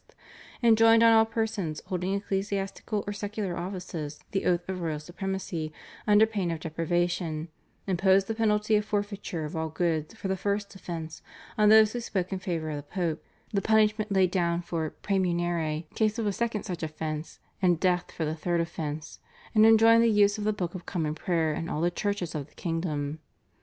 enjoined on all persons holding ecclesiastical or secular offices the oath of royal supremacy under pain of deprivation, imposed the penalty of forfeiture of all goods for the first offence on those who spoke in favour of the Pope, the punishment laid down for /praemunire/ in case of a second such offence, and death for the third offence, and enjoined the use of the Book of Common Prayer in all the churches of the kingdom.